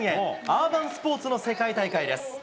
アーバンスポーツの世界大会です。